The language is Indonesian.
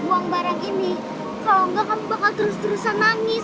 aku gak mau liat kamu terus terusan nangis